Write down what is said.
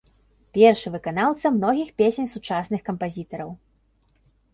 Першы выканаўца многіх песень сучасных кампазітараў.